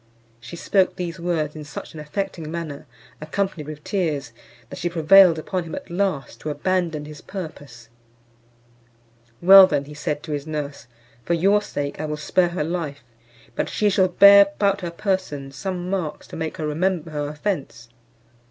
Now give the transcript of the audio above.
She spoke these words in such an affecting manner, accompanied with tears, that she prevailed upon him at last to abandon his purpose, "Well then," said he to his nurse, "for your sake I will spare her life; but she shall bear about her person some marks to make her remember her offence."